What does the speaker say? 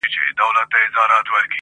ډلي راغلې د افسرو درباریانو!